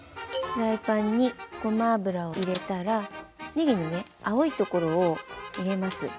フライパンにごま油を入れたらねぎのね青いところを入れます。